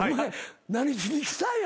何しに来たんや？